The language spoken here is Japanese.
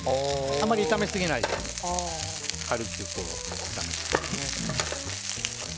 あまり炒めすぎないように軽く炒めていきます。